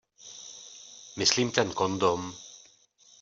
Myslím ten kondom.